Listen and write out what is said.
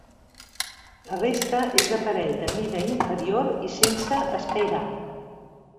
La resta és d'aparell de mida inferior i sense escairar.